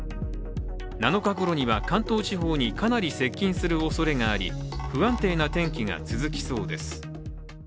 ７日ごろには関東地方にかなり接近するおそれがあり、不安定な天気が続きそうです。